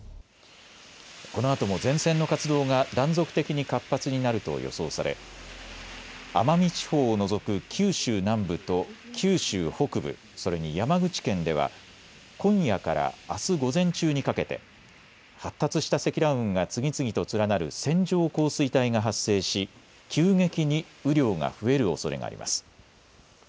このあとも前線の活動が断続的に活発になると予想され奄美地方を除く九州南部と九州北部、それに山口県では今夜からあす午前中にかけて発達した積乱雲が次々と連なる線状降水帯が発生し急激に雨量が増えるおそれがあります。